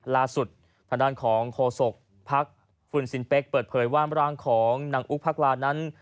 ล่าสุดพระด้านของโคศกภักษ์ฝึนสินเป๊กเปิดเผยว่ามรางของนังอุ๊กพักลานั้น